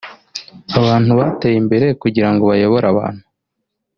Abantu bateye imbere kugirango bayobore abantu